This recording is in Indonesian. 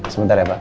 sebentar ya pak